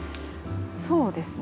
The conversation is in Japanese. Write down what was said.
そうですね。